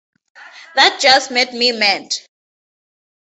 That just made me mad.